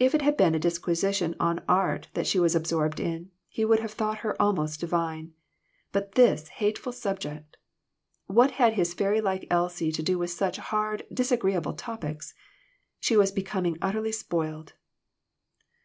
If it had been a disquisition on art that she was absorbed in, he would have thought her almost divine. But this hateful sub ject ! What had his fairy like Elsie to do with such hard, disagreeable topics ? She was becom ing utterly spoiled.